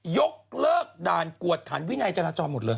ยกเลิกด่านกวดขันวินัยจราจรหมดเลย